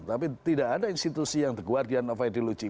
tapi tidak ada institusi yang the guardian of ideology